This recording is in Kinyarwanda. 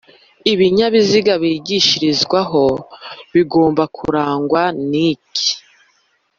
ibinyabiziga byigishirizwaho bigomba kurangwa n' iki?